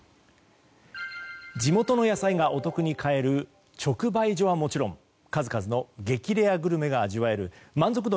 地元の野菜がお得に買える直売所はもちろん数々の激レアグルメが味わえる満足度